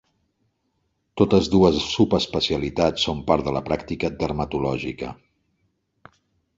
Totes dues subespecialitats són part de la pràctica dermatològica.